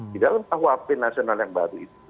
di dalam kuhp nasional yang baru itu